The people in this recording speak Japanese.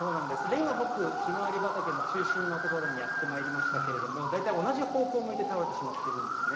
今、僕、ひまわり畑の中心の所にやってまいりましたけれども、大体同じ方向向いて倒れてしまっているんですね。